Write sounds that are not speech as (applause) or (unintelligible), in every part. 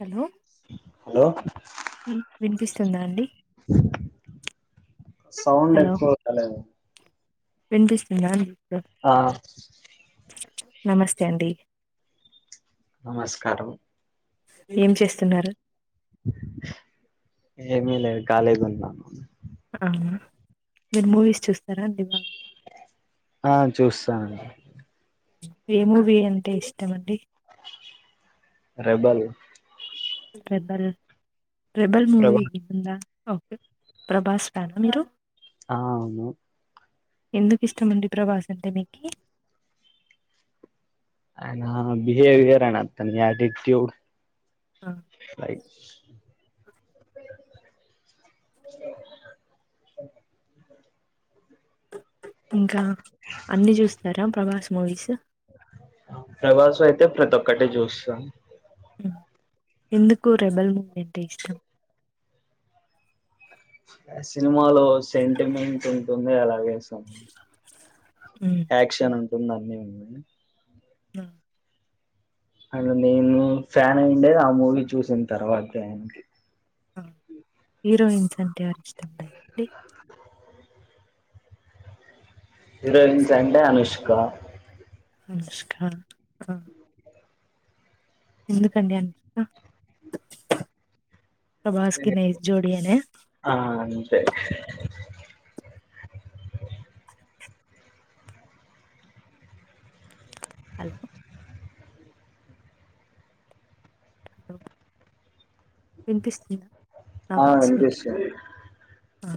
Hello hello విన్ విన్పిస్ తుంద అండి సౌండ్ హలో ఎక్కువ వత్తలేదు వినిపిస్తుందా అండి ఇప్పుడు ఆ నమస్తే అండీ నమస్కారం ఏం చేస్తున్నారు ఏమి లేదు కాలిగున్నా అవునా మీరు మూవీస్ చూస్తారా అండి బా ఆ చూస్తానండి ఏ మూవీ అంటే ఇష్టం అండి రెబల్ ట్రెబల్ రెబల్ మూవీ ప్రభల్ (inaudible) ఓకే ప్రభాస్ ఫ్యానా మీరు? ఆ అవును ఎందుక్ ఇష్టమండి ప్రభాస్ అంటే మీకీ అయినా బిహేవియర్ అతని అటిట్యూడ్ ఫైట్స్ ఇంకా అన్నీ చూస్తారా ప్రభాస్ ముూవీస్ ప్రభాస్ అయితే ప్రతి ఒక్కటి చూస్తాను ఎందుకు రెబల్ మూవీ అంటే ఇష్టం. సినిమాలో సెంటిమెంట్ ఉంటుంది. అలాగే సమ్ ఉమ్, యాక్షను అన్నీ ఉన్నాయి. ఆ నేను ఫ్యాన్ అయిందే ఆ మూవీ చూసిన తర్వాతే ఆయనికి హీరోయిన్స్ అంటే ఎవరి ఇష్టం ఉందండి హీరోయిన్స్ అంటే అనుష్క అనుష్క ఆ ఎందుకండి అనుష్క ప్రభాస్కి నైస్ జోడీ అనా తే హలో హలో వినిపిస్తుంద ఆ వినిపిస్తుంది ఆ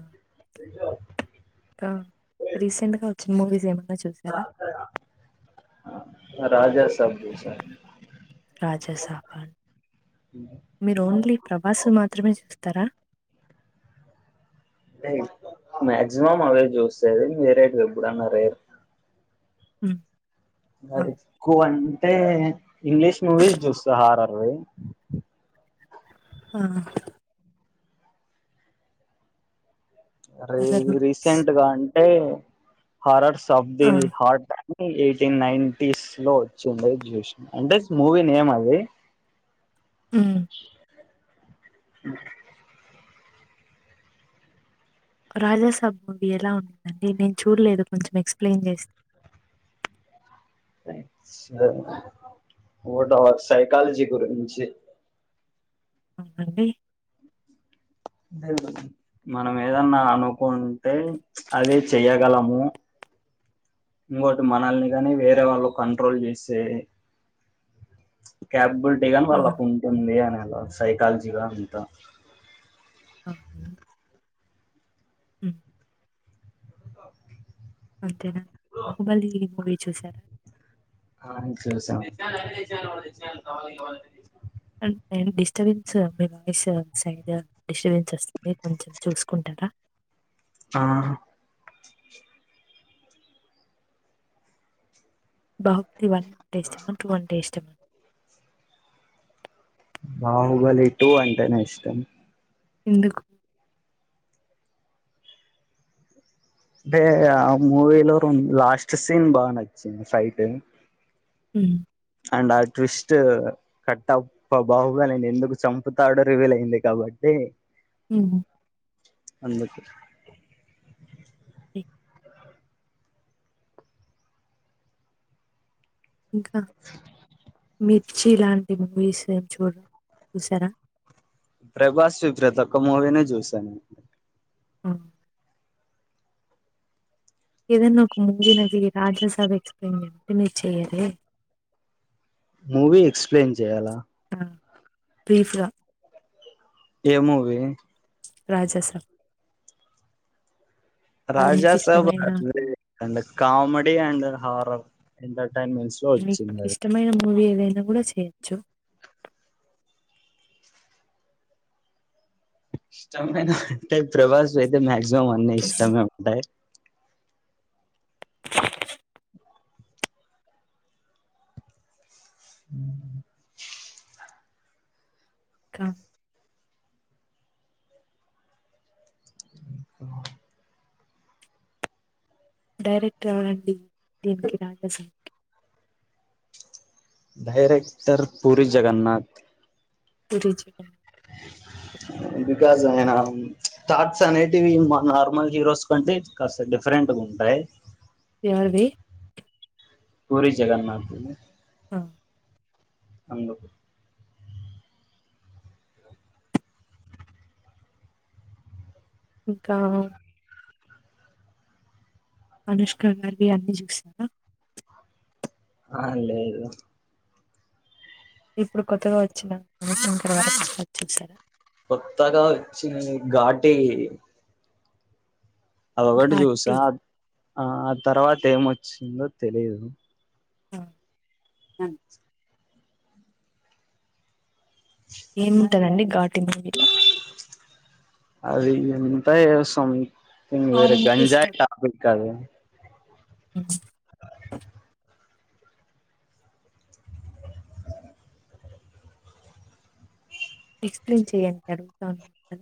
తేజ ఆ రీసెంట్ గా వచ్చిన మూవీస్ ఏమన్నా మూవీస్ ఏమైనా చూసారా రాజా సాబ్ చూసా రాజాసాబా ఆ మీరు ఓన్లీ ప్రభాస్ వి మాత్రమే చూస్త త్తర అంటే మాక్సిమం అవే చూసేది వేరేటివి ఎప్పుడన్న రేర్ హ్మ్ మరి కోన్ అంటే ఇంగ్లీష్ మూవీస్ చూస్తా హారరు ఆహా రీ అదర్ మీ రీసెంట్గా అ టే హారర్స్ ఆ సబ్దిని హార్ట్ ఫ్యాన్ ఎయిటీన్ నైన్టీస్ లో వచ్చిండెద్ జూష్నా, అంటే మూవీ నేమ్ అది హ్మ్ రాజసాబ్ మూవీ ఎలా ఉందండి? నేన్ చూడలేదు కొంచెం ఎక్సప్లయిన్ చేస్ సైన్స్ మోర్ ఓవర్ సైకాలజీ గురించి. అవునండి మనం ఏదన్నా అనుకుంటే అది చెయ్యగలము, ఇంగోటి మనల్ని గనీ వేరే వాళ్ళు కంట్రోల్ జేస్తే కాప్బుల్ట్ దేగానీ ఆ వాళ్ళకు ఉంటుంది అని సైకాలజీగా అంత అవునా హ్మ్ అంతేనా, బాహుబలి మూవీ చూసారా ఆ చూసాము అంటే అండి. డిస్టబెన్స్ మీ వాయిస్ సైడ్ డిస్టబెన్స్ వస్తుంది, కొంచెం చూసుకుంటారా ఆ బహ్ లి వన్ అంటే ఇష్టమా, టూ అంటే ఇష్టమా? బాహుబలి టూ అంటేనే ఇష్టం. ఎందుకు టే ఆ మూవీలో లాస్ట్ సీన్ బాగ నచ్చింది ఫైటు. హ్మ్ అండ్ ఆ ట్విస్ట్, కట్టప్ప బాహుబలి నీ ఎందుకు చంపుతాడో రివీల్ అయింది కాబట్టి. ఉమ్ అందుకు ఇ ఇంకా మిర్చి లాంటి మూవీస్ ఏం చూడరా? చూసారా ప్రభాస్ వి ప్రతొక్క మూవినీ చూశా నేను. ఉమ్ ఏదన్నా ఒక మూవీ, నకీ రాజసాబ్ ఎక్స్ప్లెయిన్ చేయమంటే మీర్ చెయ్యరే? మూవీ ఎక్స్ప్లెయిన్ చేయాలా? బ్రీఫ్ గా ఏ మూవి రాజాసాబ్ ఆర్ రాజా సాబ్ మీకిష్టమైన అది (inaudible) అండ్ కామెడి అండ్ హ ఆహ్ ఉంటాయ్ మీకు ఇష్టమైన మూవీ ఏదైన్ నువ్వు కూడా చేయొచ్చు. ఇష్టమైనవంటే ప్రభాస్వి అయితే మాక్సిమం మం అన్ని ఇష్టమే ఉంటాయ్. ఉమ్ కా డైరెక్టర్ ఎవరండి దీన్ని కి రాజా సాబ్ డైరెక్టర్ పూరి జగన్నాథ్ పూరి జగన్ బికాజ్ ఆయన థాట్స్ అనేటివి మా నార్మల్ హీరోస్ కంటే కాస్త డిఫరెంట్గా ఉంటాయి ఎవరిది పూరి జగన్నాథ్ ది ఆ! అందుకు ఇంకా అనుష్క గారివి అన్ని చూస్తారా ఆ లేదు ఇప్పుడు కొత్తగా వచ్చిన మన శంకర వరప్రసాద్ చూశారా కొత్తగా వచ్చింది ఘాటి అదొకటి ఘాటి చూసా ఆ తర్వాత ఏమొచ్చిందో తెలిదు ఆ హ్మ్ ఏం అండి ఘట్ (unintelligible) అది ఎంత వేస్సం హ్మ్ వేరే గంజాయి టాపిక్ అది హ్మ్ ఎక్స్ప్లెయిన్ చెయ్యడి అడుగుతా ఉన్నా కాద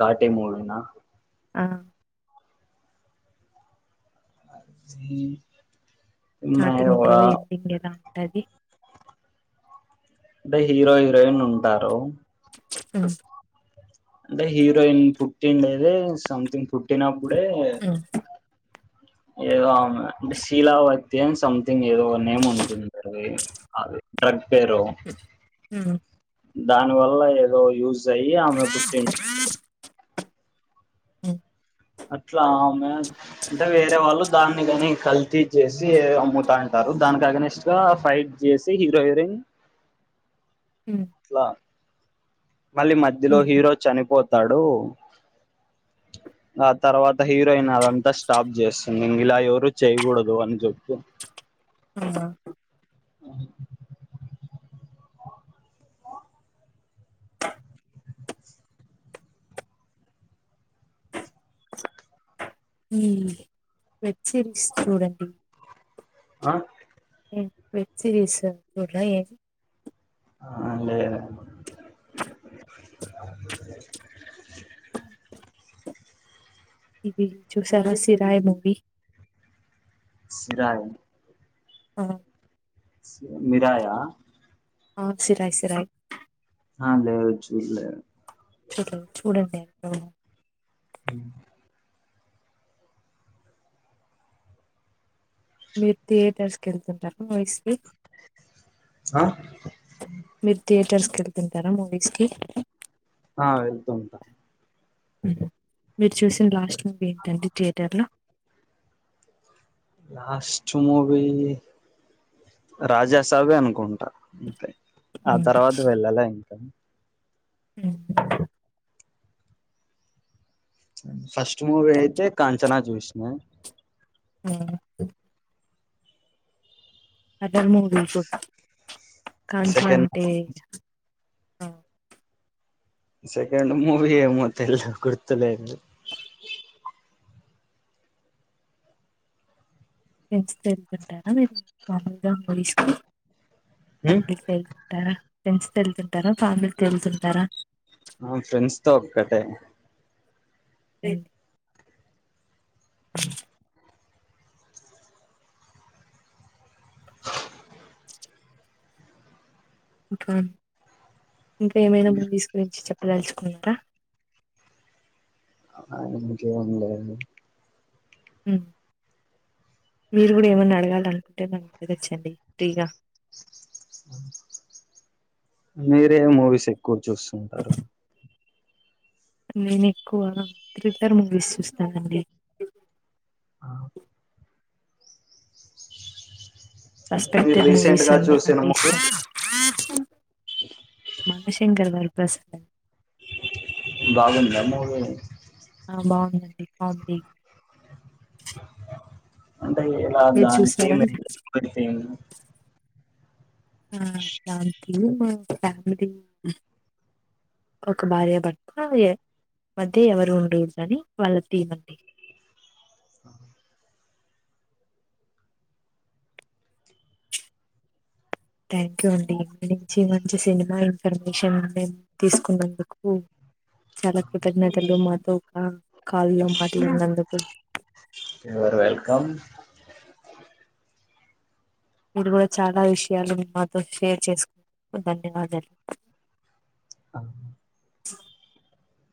ఘాటి మూడునా ఆ మ్ స్టార్టింగ్ ఎడింగ్ యేన టది బై హీరో హీరోయిన్ ఉంటారు హ్మ్ అంటే హీరోయిన్ పుట్టిన్ దైతే సంథింగ్ పుట్టిన ఇప్పుడే ఉమ్, ఎదో ఆమె అంటే శీలవతి జేమ్స్ అన్ ఏదో ఒక నేమ్ ఉంటుం (unintelligible) అదే డ్రగ్ పేరు హ దాని వల్ల ఏదో యూజ స ఆమె పుటి అ అట్లా అమె అంటే వేరే వాళ్ళు దాన్ని కాని కల్తీ చేసి అమ్ముతా అంటారు దానికి అగైనెస్ట్‌గా ఫైట్ చేసి హీరో హీరోయిన్ ఉమ్, అట్లా మళ్ళీ మధ్యలో ఉమ్, హీరో చనిపో తాడు ఆ తర్వాత హీరోయిన్ అదంతా స్టాప్ చేస్తుంది ఇంక ఇలా ఎవరు చేయకూడదు అని చెప్పి ఆ ఆ ఈ వెబ్ సిరీస్ చూడండి ఆ ఏ వెబ్ సీరీస్ అ చూడరా ఏమి అ అ లేద ఇది చూసారా సిరాయి మూవీ సిరాయి ఆ సె మిరాయి ఆ సిరాయి సిరాయి ఆ దేవరా చూడలే చూడ చూడండి అ హమ్ మీరు థియేటర్స్ కి వెళ్తుంటారా మూవీస్కీ ఆ మెర్ తే టర్స్కి వెళ్తుంటారా మూవీస్ కి ఆ వెళ్తుంటా ఉహు మీరు చూసిన లాస్ట్ ఉందేంటండి థయేటర్ లో లాస్ట్ మూవీ రాజసాబే అనుకుంటా అంతే ఆ తర్వాత వెళ్ళలే ఇంకా ఉమ్ అ ఫస్ట్ మూవీ అయితే కంచనా చుష్ణయ ఆ అదర్ మూవీ చూడ కాంచనా సెకండ్ అంటే ఆ సెకండ్ మూవీ ఏమో తేలేదు గుర్తులేదు ఫ్రెండ్స్ తో వెళ్తుంటారా మీరు మామలుగా మయిస్ ఉమ్ అభితేల్తర ఫ్రెండ్స్ తో వెళ్తుంటారా ఫ్యామిలీ తో వెళ్తుంటారా ఆ ఫ్రెండ్స్ తో ఒక్కటే ఏంటి ఆ ఇంకా ఏమైనా ముంద్ తీసు గురించి చెప్ దలుచుకుంటా (unintelligible) ఉమ్ మీరు కూడా ఏమన్నా అడగాల అనుకుంటే నను అడగచ్చండి ఫ్రీగా మీరే మూవిస్ ఎక్కువ చూస్తుంటారు నేను ఎక్కువ థ్రిల్లర్ మూవీస్ చూస్తానండి ఆ మీరు సస్పెక్టెడ్ రీసెంట్ మూవీస్ గా అన్ని చూసిన అంటే మూవీ ఇష్టం మానశంకర వర ప్రసాద్ బాగుంద మూవీ ఆ బాగుందండి కామెడీ అంటే ఎలా మీరు దానికి చూసారా (inaudible) ఆ థ్యాంక్యూ మ ఫ్యామిలీ ఒక భార్య భర్త ఏ మధ్య ఎవరు ఉండకూ డదని వాళ్ళ తీమ్ అండి ఆ థ్యాంక్ యూ అండి ఇ నుంచి మంచి సినిమాలు పర్మిషన్ ఉండే తీస్ కుఉన్నందుకు చాలా కృతజ్ఞతలు మ ఓఆ కాలులో మాట్లా న్నందుకు యువర్ వెల్కమ్ మీరు కూడా చాలా విషయాలు మాతో షేర్ చేసుకు (inaudible) ధన్యవాదాలు ఆ